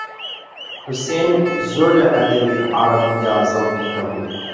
حوسێن زۆر لە ئەدەبی عەرەبیدا زەوقی هەبوو